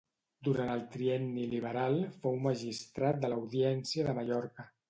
Durant el trienni liberal fou magistrat de l'Audiència de Mallorca.